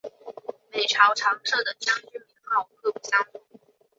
每朝常设的将军名号各不相同。